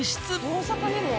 大阪にも？